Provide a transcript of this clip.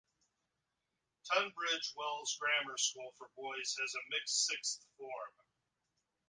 Tunbridge Wells Grammar School for Boys has a mixed sixth form.